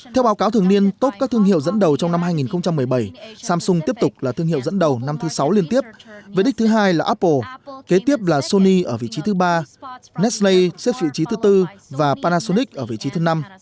theo báo cáo thường niên tốt các thương hiệu dẫn đầu trong năm hai nghìn một mươi bảy samsung tiếp tục là thương hiệu dẫn đầu năm thứ sáu liên tiếp với đích thứ hai là apple kế tiếp là sony ở vị trí thứ ba nesnay xếp vị trí thứ tư và panasonic ở vị trí thứ năm